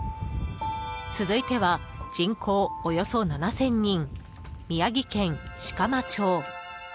続いては、人口およそ７０００人宮城県色麻町。